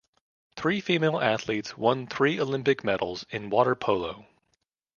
Three female athletes won three Olympic medals in water polo.